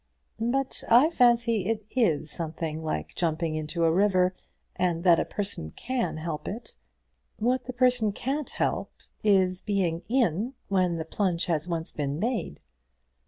"But I fancy it is something like jumping into a river, and that a person can help it. What the person can't help is being in when the plunge has once been made."